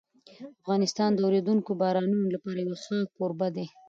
افغانستان د اورېدونکو بارانونو لپاره یو ښه کوربه دی.